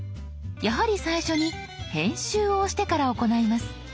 やはり最初に「編集」を押してから行います。